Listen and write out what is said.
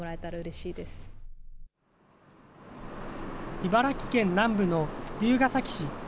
茨城県南部の龍ケ崎市。